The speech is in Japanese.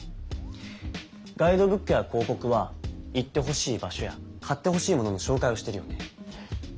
ガイドブックや広告は行ってほしい場所や買ってほしいものの紹介をしてるよね。